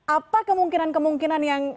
apa kemungkinan kemungkinan yang